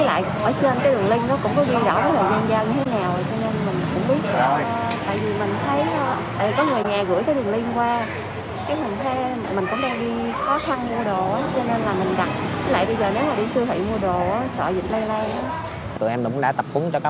với lại ở trên cái đường link nó cũng có viên rõ là giao như thế nào